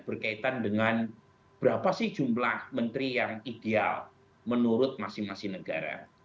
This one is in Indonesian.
berkaitan dengan berapa sih jumlah menteri yang ideal menurut masing masing negara